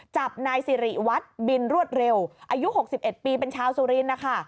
จับนายสิริวัตรบินรวดเร็วอายุ๖๑ปีเป็นชาวสุรินทร์นะคะ